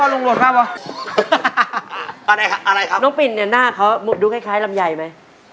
อะไรครับน้องปินเนี่ยหน้าเขาดูคล้ายลำไยไหม